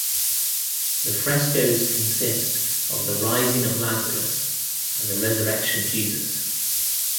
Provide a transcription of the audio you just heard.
The frescos consist of the rising of Lazarus and the Resurrection of Jesus.